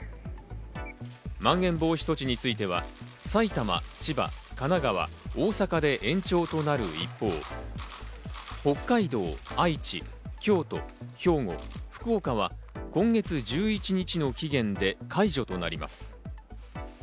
まん延防止措置については、埼玉、千葉、神奈川、大阪で延長となる一方、北海道、愛知、京都、兵庫、福岡は今月１１日の期限で解除となります。